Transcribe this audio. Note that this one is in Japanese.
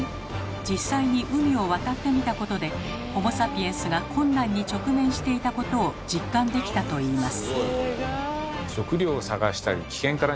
実際に海を渡ってみたことでホモ・サピエンスが困難に直面していたことを実感できたといいます。